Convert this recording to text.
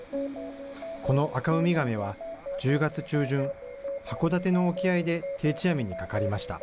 このアカウミガメは１０月中旬、函館の沖合で定置網にかかりました。